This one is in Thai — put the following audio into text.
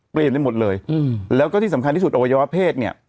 เปลี่ยนได้หมดเลยอืมแล้วก็ที่สำคัญที่สุดอวัยวะเพศเนี่ย